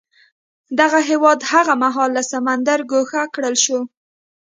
دغه هېواد هغه مهال له سمندره ګوښه کړل شو.